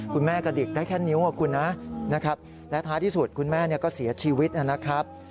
กระดิกได้แค่นิ้วคุณนะนะครับและท้ายที่สุดคุณแม่ก็เสียชีวิตนะครับ